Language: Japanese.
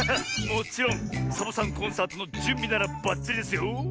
もちろんサボさんコンサートのじゅんびならばっちりですよ。